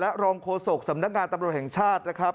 รองโฆษกสำนักงานตำรวจแห่งชาตินะครับ